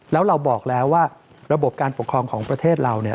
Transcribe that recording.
แล้วเราบอกแล้วว่าระบบการปกครองของประเทศเราเนี่ย